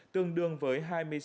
tương đương với hai mươi sáu